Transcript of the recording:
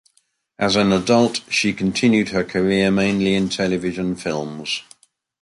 As an adult, she continued her career mainly in television films.